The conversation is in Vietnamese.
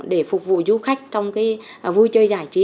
để phục vụ du khách trong vui chơi giải trí